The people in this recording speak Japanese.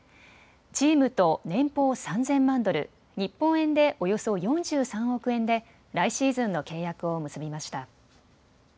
チームと年俸３０００万ドル、日本円でおよそ４３億円で来シーズンの契約を結びました。